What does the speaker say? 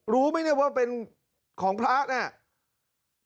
รู้ไหมเนี่ยว่าเป็นของพระเนี่ย